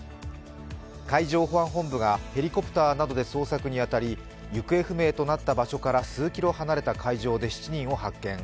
海上保安本部がヘリコプターなどで捜索に当たり行方不明となった場所から数キロ離れた場所で８人を発見。